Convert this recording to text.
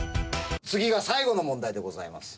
次が最後の問題でございます。